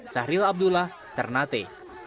sahril abdullah ternate